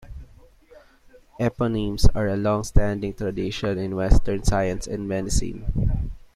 Eponyms are a longstanding tradition in Western science and medicine.